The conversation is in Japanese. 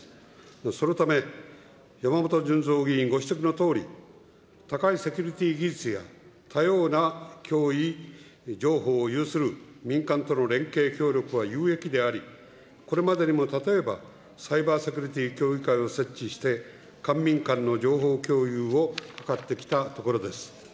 そのため、山本順三議員ご指摘のとおり、高いセキュリティー技術や多様な脅威情報を有する民間との連携協力は有益であり、これまでにも例えば、サイバーセキュリティー協議会を設置して、官民間の情報共有を図ってきたところです。